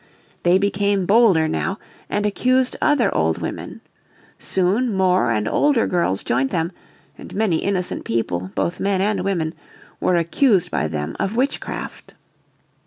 They became bolder now and accused other old women. Soon more and older girls joined them, and many innocent people, both men and women, were accused by them of witchcraft.